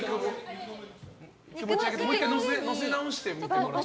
もう１回載せ直してみてもらって。